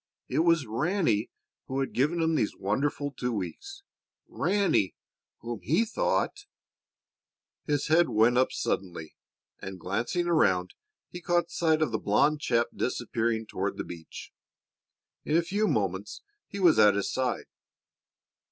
It was Ranny who had given him these wonderful two weeks Ranny, whom he thought His head went up suddenly and, glancing around, he caught sight of the blond chap disappearing toward the beach. In a few moments he was at his side.